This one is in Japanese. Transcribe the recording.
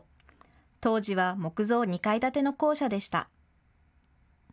当時は木造２階建ての校舎でした。